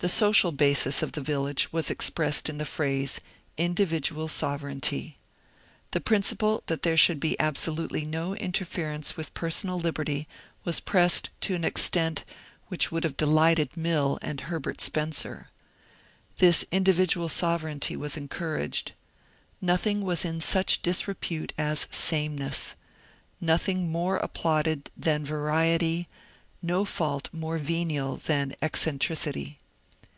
The social basis of the village was expressed in the phrase *^ individual sovereignty." The principle that there should be absolutely no interference with personal liberty was pressed to an extent which would have delighted Mill and Herbert Spencer. This individual sovereignty was encouraged. No thing was in such disrepute as sameness ; nothing more ap plauded than variety, no fault more venial than eccentricity.